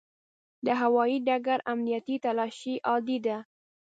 د هوایي ډګر امنیتي تلاشي عادي ده.